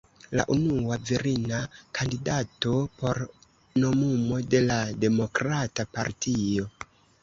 La unua virina kandidato por nomumo de la demokrata partio.